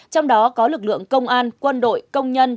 trong đó có lực lượng công an quân đội công nhân